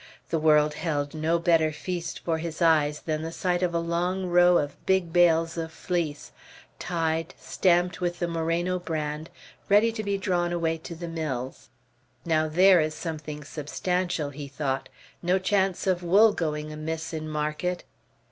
The world held no better feast for his eyes than the sight of a long row of big bales of fleece, tied, stamped with the Moreno brand, ready to be drawn away to the mills. "Now, there is something substantial," he thought; "no chance of wool going amiss in market!"